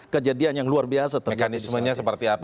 kejadian yang luar biasa mekanismenya seperti apa